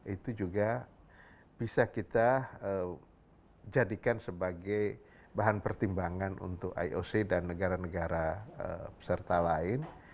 itu juga bisa kita jadikan sebagai bahan pertimbangan untuk ioc dan negara negara peserta lain